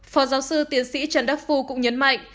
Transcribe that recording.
phó giáo sư tiến sĩ trần đắc phu cũng nhấn mạnh